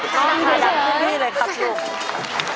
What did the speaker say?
น้องชาดำเย็นเลยครับลูก